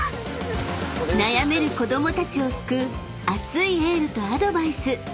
［悩める子供たちを救う熱いエールとアドバイス］